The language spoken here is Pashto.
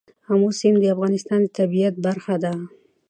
آمو سیند د افغانستان د طبیعت برخه ده.